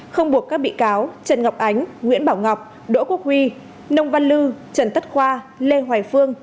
không buộc các bị cáo trần ngọc ánh nguyễn bảo ngọc đỗ quốc huy nông văn lư trần tất khoa lê hoài phương